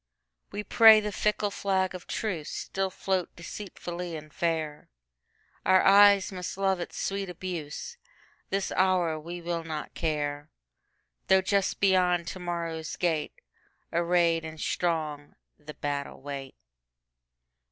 We pray the fickle flag of truceStill float deceitfully and fair; Our eyes must love its sweet abuse; This hour we will not care, Though just beyond to morrow's gate, Arrayed and strong, the battle wait.